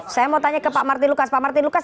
saya mau tanya ke pak martin lukas pak martin lukas